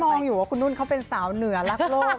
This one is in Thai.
ต้องอยู่ว่าคุณนุ่นเขาเป็นสาวเหนือรักโลก